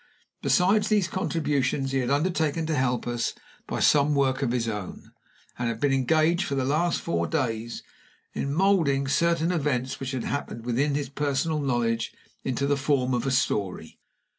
Besides these contributions, he had undertaken to help us by some work of his own, and had been engaged for the last four days in molding certain events which had happened within his personal knowledge into the form of a story.